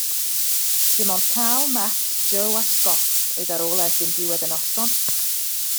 Dim ond Carl, Matt, Jo a Scott oedd ar ôl erbyn diwedd y noson.